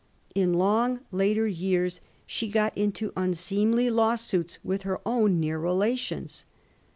In long later years she got into unseemly lawsuits with her own near relations.